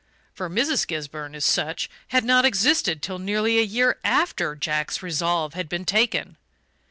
For Mrs. Gisburn as such had not existed till nearly a year after Jack's resolve had been taken.